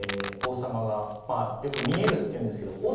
王様がよく見えるって言うんですけど。